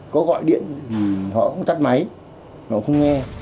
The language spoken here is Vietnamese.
có gọi điện họ không tắt máy họ không nghe